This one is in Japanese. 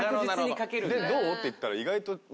でどう？って言ったら意外と。